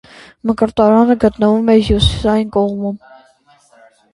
Մկրտարանը գտնվում է հյուսիսային կողմում։